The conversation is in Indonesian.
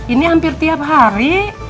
ini hampir tiap hari